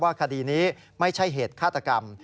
คดีนี้ไม่ใช่เหตุฆาตกรรม